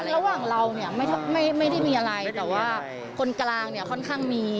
ระหว่างเราเนี่ยไม่ได้มีอะไรแต่ว่าคนกลางเนี่ยค่อนข้างมี